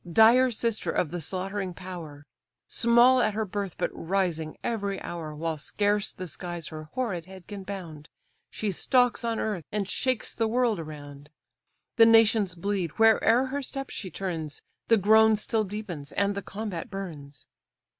dire sister of the slaughtering power, Small at her birth, but rising every hour, While scarce the skies her horrid head can bound, She stalks on earth, and shakes the world around; The nations bleed, where'er her steps she turns, The groan still deepens, and the combat burns.